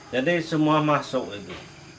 jadi semua masuk itu